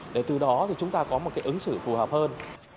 để từ đó chúng ta có một ứng xử phù hợp hơn